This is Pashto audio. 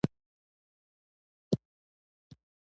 د نورو د ګټو لپاره جګړه ونکړي.